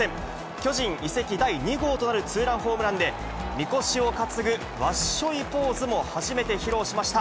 巨人移籍第２号となるツーランホームランでみこしを担ぐわっしょいポーズも初めて披露しました。